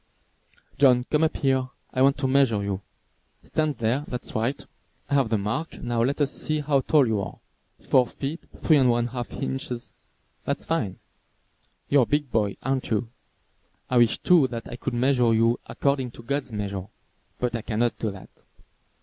John, come up here, I want to measure you. Stand there, that's right. I have the mark, now let us see how tall you are. Four feet, three and one half inches. That is fine. You are a big boy, aren't you? I wish too that I could measure you according to God's measure. But I cannot do that.